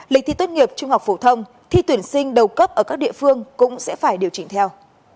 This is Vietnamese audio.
lịch thi tốt nghiệp trung học phổ thông thi tuyển sinh đầu cấp ở các địa phương cũng sẽ phải điều chỉnh theo